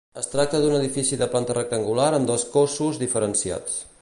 Es tracta d'un edifici de planta rectangular amb dos cossos diferenciats.